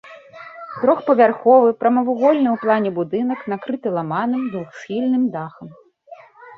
Трохпавярховы, прамавугольны ў плане будынак, накрыты ламаным двухсхільным дахам.